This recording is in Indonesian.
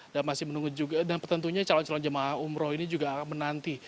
dan tentunya calon calon jemaah umroh ini juga akan menanti